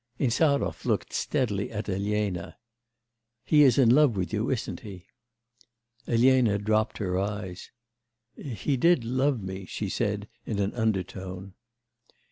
Insarov looked steadily at Elena. 'He is in love with you, isn't he?' Elena dropped her eyes. 'He did love me,' she said in an undertone.